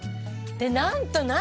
でなんと何？